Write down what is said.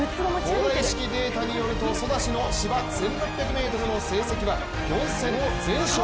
東大式データによるとソダシの芝１６００ｍの成績は４戦全勝。